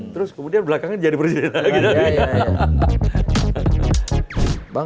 terus kemudian belakangan jadi presiden